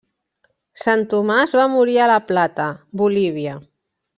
Sant Tomàs va morir a La Plata, Bolívia.